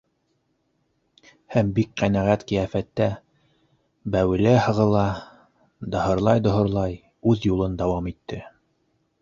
Һәм бик ҡәнәғәт ҡиәфәттә бәүелә-һығыла, даһырлай-доһорлай үҙ юлын дауам итте.